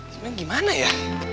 sebenernya gimana ya